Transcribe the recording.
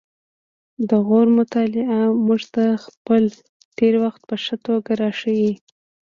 د غور مطالعه موږ ته خپل تیر وخت په ښه توګه راښيي